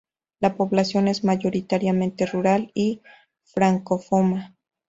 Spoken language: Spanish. La población es mayoritariamente rural y francófona.